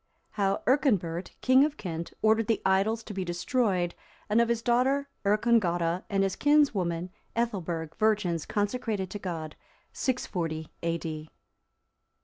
How Earconbert, King of Kent, ordered the idols to be destroyed; and of his daughter Earcongota, and his kinswoman Ethelberg, virgins consecrated to God. [640 A.D.